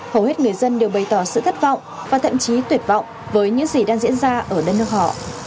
hầu hết người dân đều bày tỏ sự thất vọng và thậm chí tuyệt vọng với những gì đang diễn ra ở đất nước họ